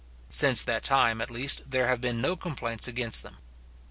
Since that time, at least, there have been no complaints against them.